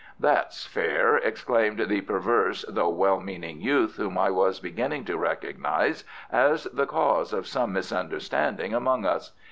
"That's fair," exclaimed the perverse though well meaning youth, whom I was beginning to recognise as the cause of some misunderstanding among us.